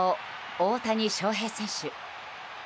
大谷翔平選手。